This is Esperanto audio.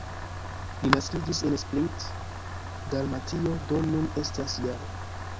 Li naskiĝis en Split, Dalmatio, do nun estas -jara.